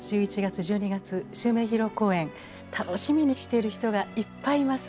１１月１２月襲名披露公演楽しみにしている人がいっぱいいます。